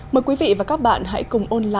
mời quý vị và các bạn hãy cùng ôn lại